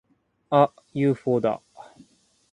あっ！ユーフォーだ！